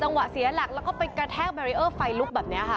จังหวะเสียหลักแล้วก็ไปกระแทกไฟลุกแบบเนี้ยค่ะ